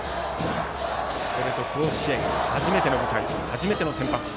甲子園、初めての舞台初めての先発。